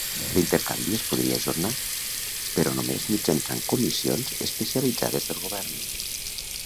L'intercanvi es podria ajornar, però només mitjançant comissions especialitzades del govern.